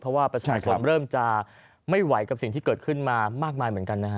เพราะว่าประชาชนเริ่มจะไม่ไหวกับสิ่งที่เกิดขึ้นมามากมายเหมือนกันนะฮะ